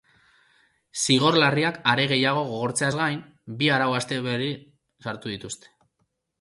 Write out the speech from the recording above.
Zigor larriak are gehiago gogortzeaz gain, bi arau-hauste berri sartu dituzte.